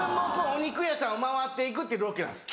お肉屋さんを回って行くっていうロケなんです。